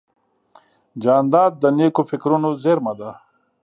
جانداد د نیکو فکرونو زېرمه ده.